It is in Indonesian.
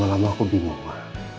tapi lama lama aku bingung ma